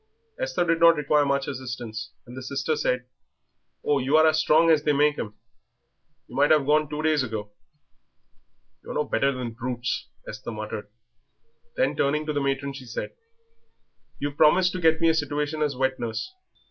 Esther did not require much assistance, and the sister said, "Oh, you are as strong as they make 'em; you might have gone two days ago." "You're no better than brutes," Esther muttered. Then, turning to the matron, she said, "You promised to get me a situation as wet nurse."